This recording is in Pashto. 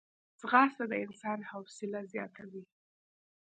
ځغاسته د انسان حوصله زیاتوي